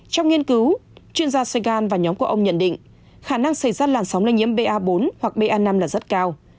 trong nghiên cứu chuyên gia và nhóm của ông nhận định khả năng xảy ra làn sóng lây nhiễm ba bốn hoặc ba năm là rất cao